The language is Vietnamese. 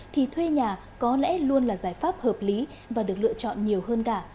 thì thuê nhà có lẽ luôn là giải pháp hợp lý và được lựa chọn nhiều hơn cả